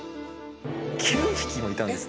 ９匹もいたんですね。